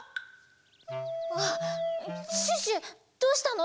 あシュッシュどうしたの？